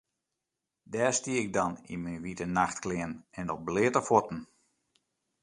Dêr stie ik dan yn myn wite nachtklean en op bleate fuotten.